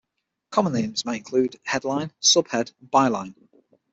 Common names might include "headline," "subhead" and "byline.